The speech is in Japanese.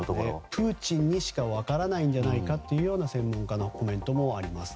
プーチンにしか分からないんじゃないかという専門家のコメントもあります。